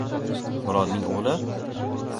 Murodning o‘g‘li?